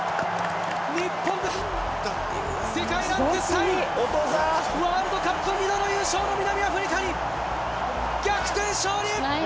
日本が世界ランク３位ワールドカップ２度の優勝の南アフリカに逆転勝利！